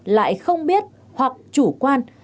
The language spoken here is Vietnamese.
lại không biết hoặc chủ quan